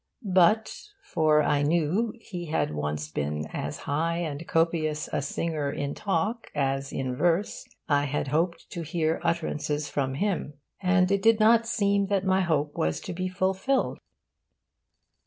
But for I knew he had once been as high and copious a singer in talk as in verse I had hoped to hear utterances from him. And it did not seem that my hope was to be fulfilled.